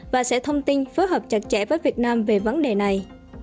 và sẽ thông tin phối hợp chặt chẽ với việt nam về vấn đề này